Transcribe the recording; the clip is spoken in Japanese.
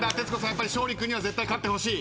やっぱり勝利君には絶対勝ってほしい？